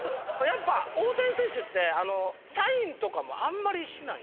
大谷選手ってサインとかもあんまりしない。